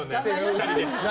２人で。